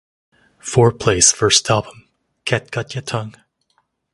FourPlay's first album, Catgut Ya' Tongue?